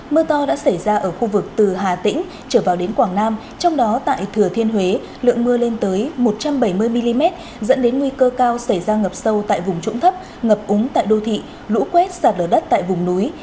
mưa to đã xảy ra ở khu vực từ hà tĩnh trở vào đến quảng nam trong đó tại thừa thiên huế lượng mưa lên tới một trăm bảy mươi mm dẫn đến nguy cơ cao xảy ra ngập sâu tại vùng trũng thấp ngập úng tại đô thị lũ quét sạt lở đất tại vùng núi